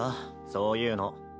そういうの。